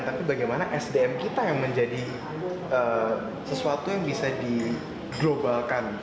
tapi bagaimana sdm kita yang menjadi sesuatu yang bisa digrobalkan